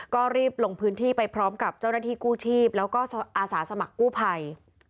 ก็รีบลงพื้นที่ไปพร้อมกับเจ้าหน้าที่กู้ชีพแล้วก็อาสาสมัครกู้ภัย